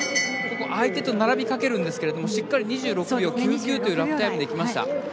相手と並びかけるんですがしっかり２６秒９９というラップできました。